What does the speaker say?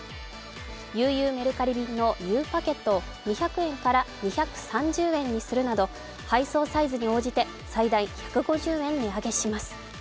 ゆうゆうメルカリ便のゆうパケットを２００円から２３０円にするなど配送サイズに応じて最大１５０円値上げします。